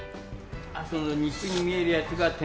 その肉に見えるやつが天かす。